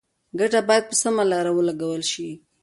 ګټه باید په سمه لاره ولګول شي.